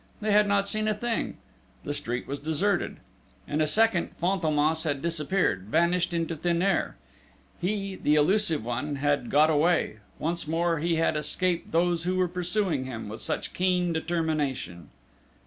they had not seen a thing ... the street was deserted ... in a second Fantômas had disappeared, vanished into thin air ... he, the elusive one, had got away: once more he had escaped those who were pursuing him with such keen determination!